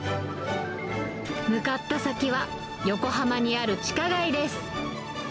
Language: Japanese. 向かった先は、横浜にある地下街です。